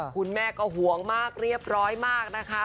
คุณแม่ก็ห่วงมากเรียบร้อยมากนะคะ